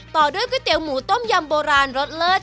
ต่อด้วยก๋วยเตี๋ยหมูต้มยำโบราณรสเลิศ